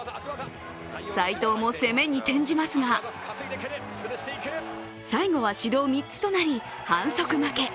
斉藤も攻めに転じますが最後は指導３つとなり、反則負け。